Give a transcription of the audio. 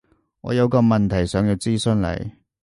有個問題想要諮詢你